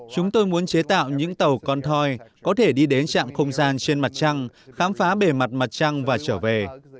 chúng tôi muốn chế tạo những tàu con thoi có thể đi đến trạm không gian trên mặt trăng khám phá bề mặt mặt trăng và trở về